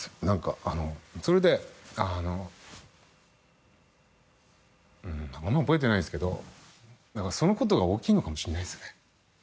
何かあのそれであのうんあんま覚えてないっすけど何かそのことが大きいのかもしんないっすね